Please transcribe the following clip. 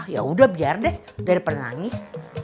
yaudah biar deh daripada nangis